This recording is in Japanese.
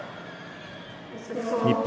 日本